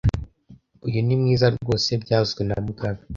Uyu ni mwiza rwose byavuzwe na mugabe